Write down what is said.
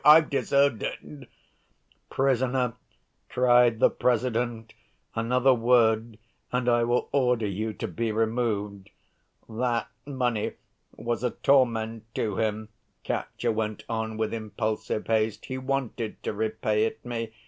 I've deserved it!" "Prisoner," cried the President, "another word and I will order you to be removed." "That money was a torment to him," Katya went on with impulsive haste. "He wanted to repay it me.